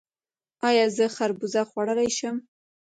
ایا زه خربوزه خوړلی شم؟